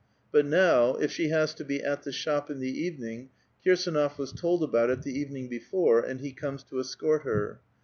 But now, if she has to be at the shop in the evening, Kirs^nof was told about it the evening before, and he comes to escort her.